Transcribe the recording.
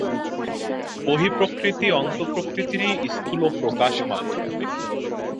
বহিঃপ্রকৃতি অন্তঃপ্রকৃতিরই স্থূল প্রকাশ মাত্র।